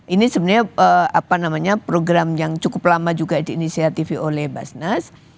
ini sebenarnya program yang cukup lama juga diinisiatifi oleh basnas